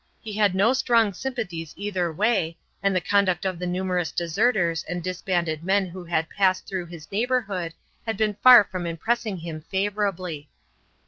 He had no strong sympathies either way, and the conduct of the numerous deserters and disbanded men who had passed through his neighborhood had been far from impressing him favorably.